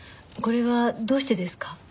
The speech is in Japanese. これはどうしてですか？